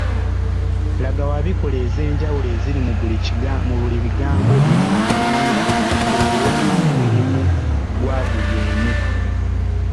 Laga wabikula ez’enjawulo eziri mu buli bigambo bino wammanga owe n’omulimu gwa buli emu.